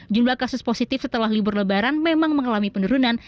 jumlah kasus positif setelah libur lebaran memang mengalami penurunan